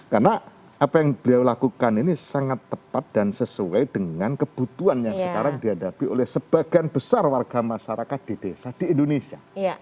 karena apa yang beliau lakukan ini sangat tepat dan sesuai dengan kebutuhan yang sekarang dihadapi oleh sebagian besar warga masyarakat di desa di indonesia